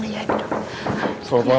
gres nya disampel sebaliknya